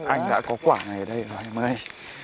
anh đã có quả này ở đây rồi em ơi